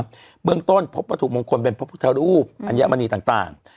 ที่เหลือเบื้องต้นพบวัตถุมงคลเป็นพบุธรูปอัญญามณีต่าง